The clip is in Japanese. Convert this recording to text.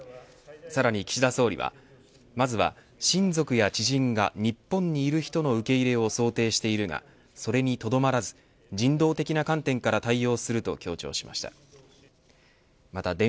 さらに岸田総理はまずは親族や知人が日本にいる人の受け入れを想定しているがそれにとどまらず人道的な観点から対応すると強調しました。